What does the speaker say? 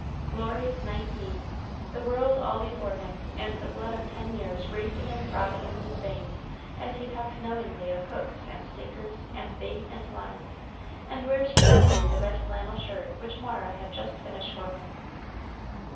Glorious knight he! the world all before him, and the blood of ten years racing and throbbing in his veins as he talks knowingly of hooks, and sinkers, and bait, and lines, and wears proudly the red flannel shirt which Mara had just finished for him.